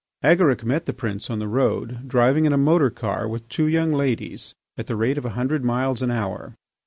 Agaric met the Prince on the road driving in a motor car with two young ladies at the rate of a hundred miles an hour.